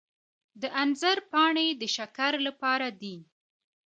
د انځر پاڼې د شکر لپاره دي.